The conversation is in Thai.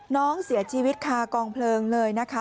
น้องเสียชีวิตคากองเพลิงเลยนะคะ